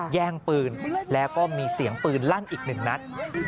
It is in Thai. แย่งปืนและก็มีเสียงปืนลั่นอีก๑นัด